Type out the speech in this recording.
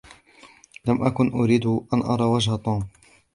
لم أكن أريد أن أرى وجه توم.